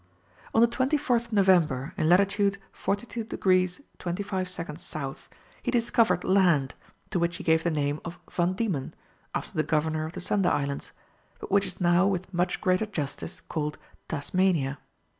On the 24th November in latitude 42 degrees 25 minutes south, he discovered land, to which he gave the name of Van Diemen, after the Governor of the Sunda Islands, but which is now with much greater justice called Tasmania.